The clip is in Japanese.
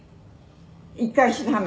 「１回したの？